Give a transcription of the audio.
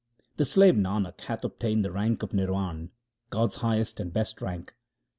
The slave Nanak hath obtained the rank of nirvan, God's highest and best rank.